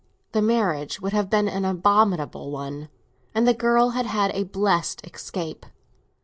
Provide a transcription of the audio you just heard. The marriage would have been an abominable one, and the girl had had a blessed escape.